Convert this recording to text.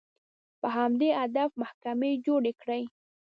په همدې هدف محکمې جوړې کړې